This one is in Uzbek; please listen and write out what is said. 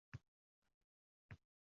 Sharular